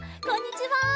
こんにちは。